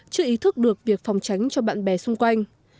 chưa ý thức được việc phòng tránh cho bạn bè xung quanh